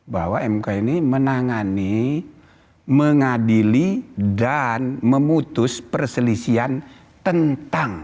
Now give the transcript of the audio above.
bahwa mk ini menangani mengadili dan memutus perselisihan tentang